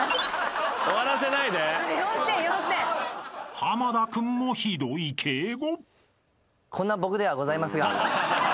［濱田君もひどい敬語］